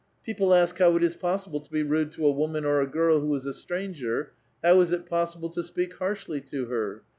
People ask how it is possible to be rude to a woinun or a girl who id a stranger ; bow is it possible to speak liarslily to her?